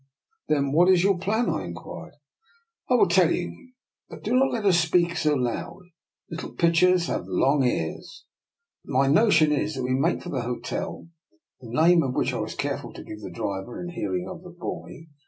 Then what is your plan? " I inquired. I will tell you. But do not let us speak so loud: little pitchers have long ears. My notion is that we make for the hotel, the name of which I was careful to give the driver in the hearing of the boy.